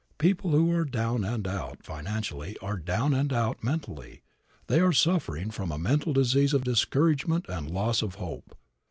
People who are down and out financially are down and out mentally. They are suffering from a mental disease of discouragement and loss of hope.